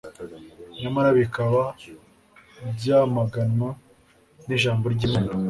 nyamara bikaba byamaganwa nIjambo ryImana